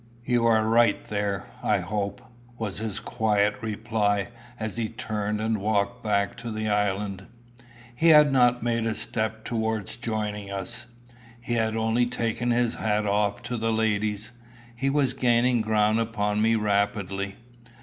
"You are right there, I hope," was his quiet reply, as he turned and walked back to the island. He had not made a step towards joining us. He had only taken his hat off to the ladies. He was gaining ground upon me rapidly.